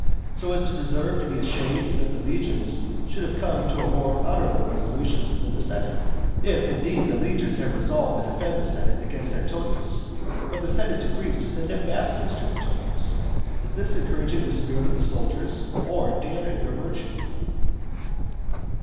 so as to deserve to be ashamed that the legions should have come to more honourable resolutions than the senate if, indeed, the legions have resolved to defend the senate against Antonius, but the senate decrees to send ambassadors to Antonius. Is this encouraging the spirit of the soldiers, or damping their virtue?